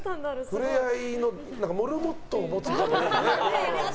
触れ合いのモルモットを持つ感じ。